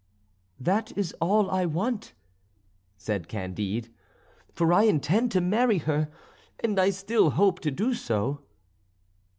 "That is all I want," said Candide, "for I intended to marry her, and I still hope to do so."